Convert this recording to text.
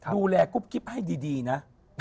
ดูแลกุบกริปให้ดีนะ